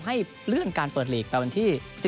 และก็พูดถึงการชี้แจกในตั้งนี้ว่า